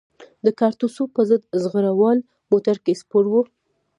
د کارتوسو په ضد زغره وال موټر کې سپور وو.